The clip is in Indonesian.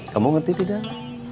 kamu ngerti tidak